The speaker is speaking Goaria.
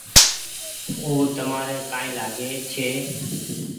او تمآر ڪآئي لآگي ڇي۔